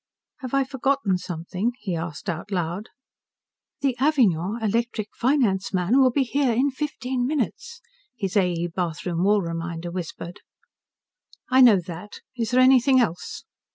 "Have I forgotten something?" he asked out loud. "The Avignon Electric finance man will be here in fifteen minutes," his A. E. bathroom Wall reminder whispered. "I know that. Is there anything else?"